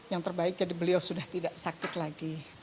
yang terbaik jadi beliau sudah tidak sakit lagi